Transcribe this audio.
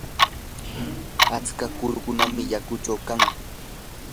atska kurukunam yakuchaw kan.